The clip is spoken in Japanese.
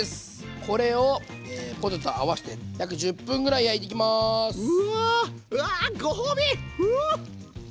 これをポテトとあわせて約１０分ぐらい焼いていきます。